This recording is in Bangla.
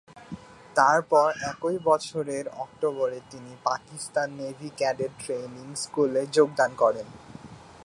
তারপর একই বছরের অক্টোবরে তিনি পাকিস্তান নেভি ক্যাডেট ট্রেনিং স্কুলে যোগদান করেন।